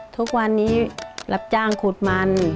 ทุกวันนี้รับจ้างขุดมัน